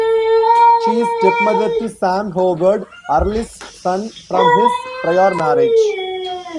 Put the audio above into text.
She is stepmother to Sam Howard, Arliss's son from his prior marriage.